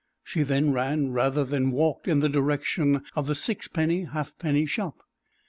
She then ran rather than walked in the direction of the sixpenny halfpenny shop.